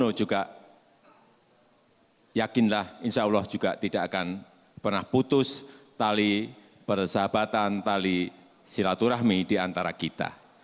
dan juga sandiaga uno yakinlah insyaallah tidak akan pernah putus tali persahabatan tali silaturahmi di antara kita